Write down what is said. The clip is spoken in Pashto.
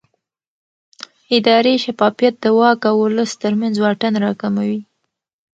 اداري شفافیت د واک او ولس ترمنځ واټن راکموي